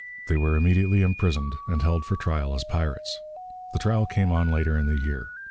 They were immediately imprisoned, and held for trial as pirates. The trial came on later in the year.